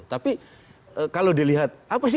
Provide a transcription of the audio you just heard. tapi kalau dilihat apa sih